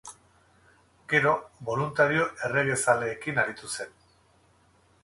Gero Boluntario erregezaleekin aritu zen.